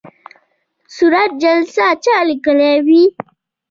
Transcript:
صورت جلسه چا لیکلې وي؟